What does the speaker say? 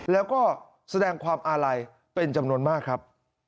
แล้วก็แสดงความอาลัยเป็นจำนวนมากครับ